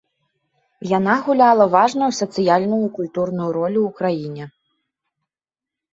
Яна гуляла важную сацыяльную і культурную ролю ў краіне.